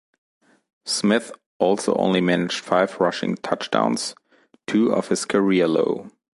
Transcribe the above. Smith also only managed five rushing touchdowns, two off his career low.